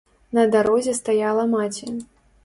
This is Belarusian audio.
На дарозе стаяла маці.